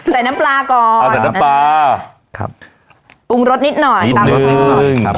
ใส่น้ำปลาก่อนเอาแบบน้ำปลาครับปรุงรสนิดหน่อยนิดหนึ่งครับ